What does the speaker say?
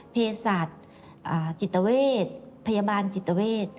เพศาจิตเวชพยาบาลจิตเวช